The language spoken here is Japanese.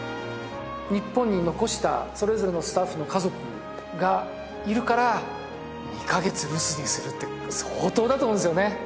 日本に残したそれぞれのスタッフの家族がいるから２か月留守にするって相当だと思うんですよね